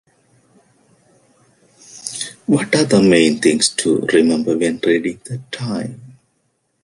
What are the main things to remember when reading the time?